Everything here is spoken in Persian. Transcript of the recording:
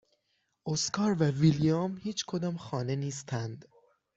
اسکار و ویلیام هیچکدام خانه نیستند.